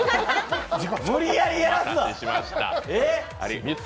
無理やりやらすな。